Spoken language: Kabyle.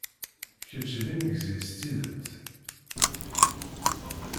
Kečč d imegzi s tidet!